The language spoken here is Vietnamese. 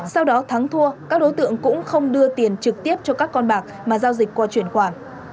sau đó thắng thua các đối tượng cũng không đưa tiền trực tiếp cho các con bạc mà giao dịch qua chuyển khoản